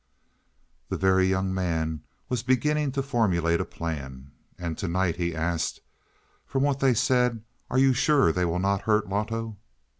The Very Young Man was beginning to formulate a plan. "And to night," he asked, "from what they said are you sure they will not hurt Loto?"